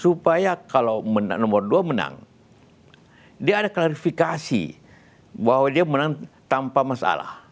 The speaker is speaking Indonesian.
supaya kalau nomor dua menang dia ada klarifikasi bahwa dia menang tanpa masalah